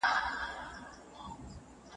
په خاموش بالاحصار باندې دې ناز و